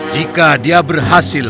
jika dia berhasil